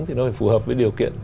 thì nó phải phù hợp với điều kiện